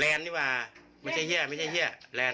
แลนนี่ว่ามันใช่เฮี้ยมันใช่เฮี้ยแลน